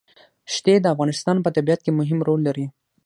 ښتې د افغانستان په طبیعت کې مهم رول لري.